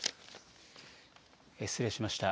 失礼しました。